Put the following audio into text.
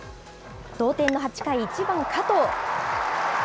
同点の８回、１番加藤。